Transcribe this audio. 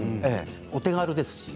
お手軽ですし。